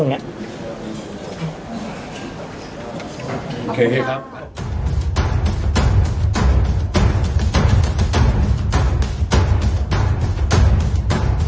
ถึงมันเป็นการต้องกอเหตุตั้งอย่างเดียว